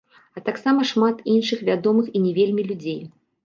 А таксама шмат іншых вядомых і не вельмі людзей.